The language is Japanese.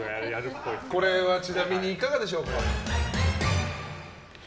これはちなみにいかがでしょうか？